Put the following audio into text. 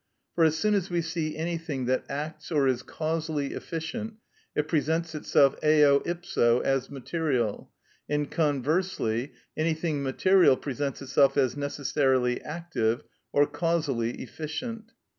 For as soon as we see anything that acts or is causally efficient it presents itself eo ipso as material, and conversely anything material presents itself as necessarily active or causally efficient.